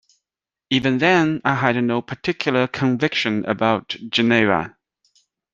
Even then I had no particular conviction about Geneva.